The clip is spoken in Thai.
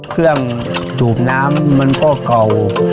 เครื่องสูบน้ำมันก็เก่า